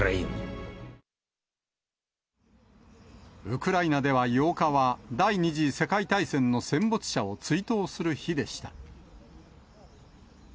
ウクライナでは８日は第２次世界大戦の戦没者を追悼する日でした。